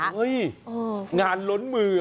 เฮ้ยงานล้นมือ